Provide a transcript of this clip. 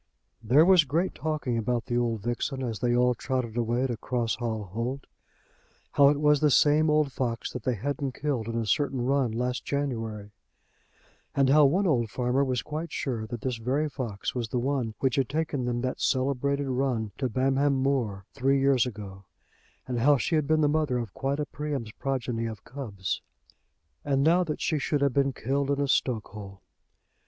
There was great talking about the old vixen as they all trotted away to Cross Hall Holt; how it was the same old fox that they hadn't killed in a certain run last January, and how one old farmer was quite sure that this very fox was the one which had taken them that celebrated run to Bamham Moor three years ago, and how she had been the mother of quite a Priam's progeny of cubs. And now that she should have been killed in a stokehole!